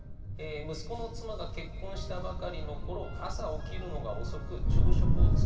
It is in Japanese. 息子の妻が結婚したばかりの頃朝起きるのが遅く朝食を作らないことがあった。